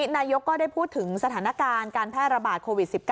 นายกก็ได้พูดถึงสถานการณ์การแพร่ระบาดโควิด๑๙